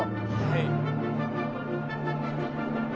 はい。